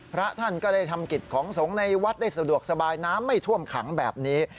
พระท่านก็ได้ทำกิจของสงฆ์ในวัดได้สะดวกสบายน้ำไม่ท่วมขังแบบนี้